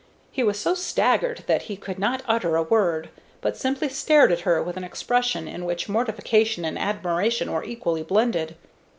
He was so staggered that he could not utter a word, but simply stared at her with an expression in which mortification and admiration were equally blended.